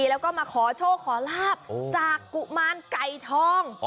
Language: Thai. แล้วก็มาขอโชคขอลาบจากกุมารไก่ทอง